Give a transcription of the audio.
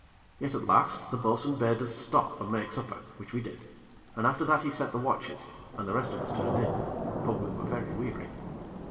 Yet, at last, the bo'sun bade us to stop and make supper, which we did, and after that, he set the watches, and the rest of us turned in; for we were very weary.